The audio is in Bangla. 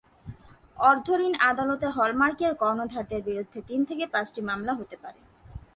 অর্থঋণ আদালতে হল-মার্কের কর্ণধারদের বিরুদ্ধে তিন থেকে পাঁচটি মামলা হতে পারে।